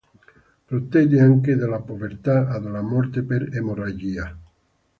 Protegge anche dalla povertà e dalla morte per emorragia.